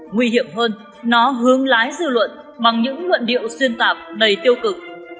nguy hiểm hơn nó hướng lái dư luận bằng những luận điệu xuyên tạc đầy tiêu cực